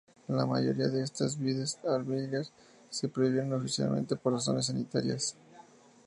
La mayoría de estas vides híbridas se prohibieron oficialmente por razones sanitarias.